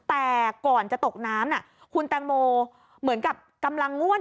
แต่ก่อนจะตกน้ำคุณแตงโมเหมือนกับกำลังง่วน